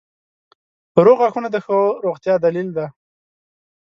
• روغ غاښونه د ښه روغتیا دلیل دی.